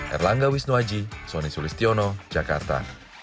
erlangga wisnuaji soni sulistiono jakarta